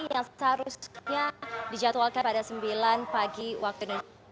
yang seharusnya dijadwalkan pada sembilan pagi waktu indonesia